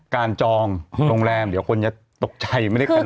จองโรงแรมเดี๋ยวคนจะตกใจไม่ได้กัน